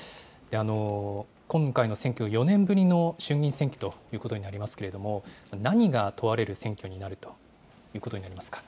今回の選挙、４年ぶりの衆議院選挙ということになりますけれども、何が問われる選挙になるということになりますか。